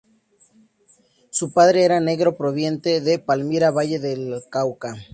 Su padre era negro proveniente de Palmira, Valle del Cauca.